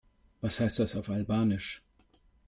Was heißt das auf Albanisch?